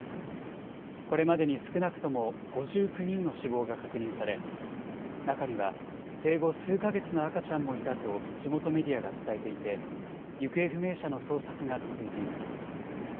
これまでに少なくとも５９人の死亡が確認され中には生後数か月の赤ちゃんもいたと地元メディアが伝えていて行方不明者の捜索が続いています。